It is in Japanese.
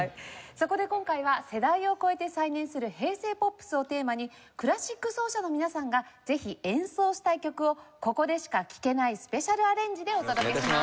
そこで今回は世代を超えて再燃する平成ポップスをテーマにクラシック奏者の皆さんがぜひ演奏したい曲をここでしか聴けないスペシャルアレンジでお届けします。